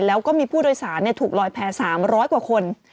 แล้วก็มีผู้โดยสารถูกลอยแพ้๓๐๐กว่าคน